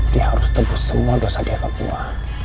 dia harus tebus semua dosa dia ke gue